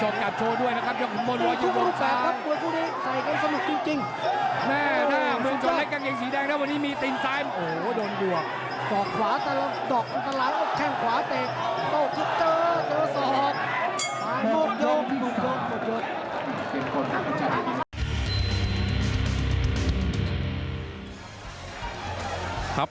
ด้วยครับขุมพลย่อยอยู่ปลุ๊กซ้าย